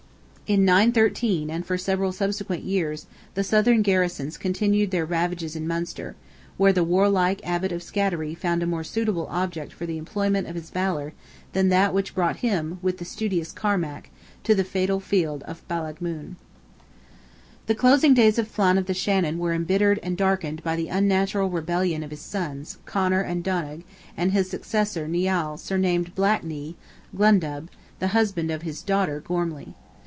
In 913, and for several subsequent years, the southern garrisons continued their ravages in Munster, where the warlike Abbot of Scattery found a more suitable object for the employment of his valour than that which brought him, with the studious Cormac, to the fatal field of Ballaghmoon. The closing days of Flan of the Shannon were embittered and darkened by the unnatural rebellion of his sons, Connor and Donogh, and his successor, Nial, surnamed Black Knee (Glundubh), the husband of his daughter, Gormley.